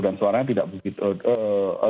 dan suaranya tidak begitu